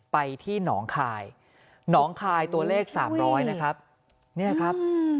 ไปที่หนองคลายหนองคลายตัวเลข๓๐๐นะครับ